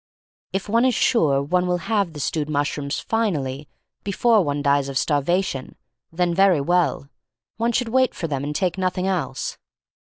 If one is sure one will have the stewed mushrooms finally, before one dies of starvation, then very well. One should wait for them and take nothing else.